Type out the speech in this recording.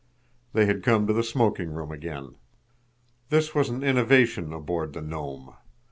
They had come to the smoking room again. This was an innovation aboard the Nome.